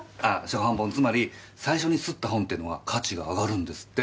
初版本つまり最初に刷った本ってのは価値が上がるんですって。